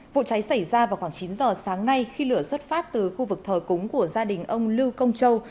vụ cháy xảy ra vào khoảng chín giờ sáng nay khi lửa xuất phát từ khu vực thờ cúng của gia đình ông lưu công châu